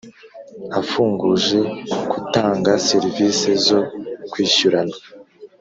afunguje k utanga serivisi zo kwishyurana